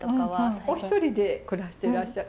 お一人で暮らしてらっしゃる？